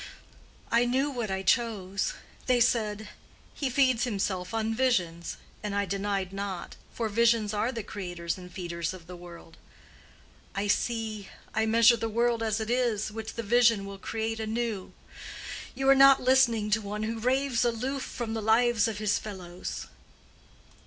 I knew what I chose. They said, 'He feeds himself on visions,' and I denied not; for visions are the creators and feeders of the world. I see, I measure the world as it is, which the vision will create anew. You are not listening to one who raves aloof from the lives of his fellows."